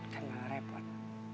kan malah repot